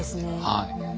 はい。